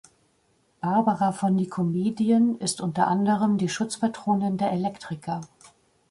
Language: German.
Barbara von Nikomedien ist unter anderen die Schutzpatronin der Elektriker.